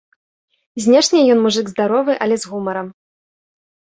Знешне ён мужык здаровы, але з гумарам.